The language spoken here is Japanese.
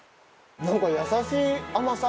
なんか優しい甘さ。